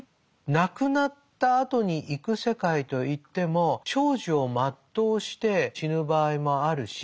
亡くなったあとに行く世界といっても長寿を全うして死ぬ場合もあるし